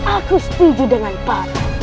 aku setuju dengan papa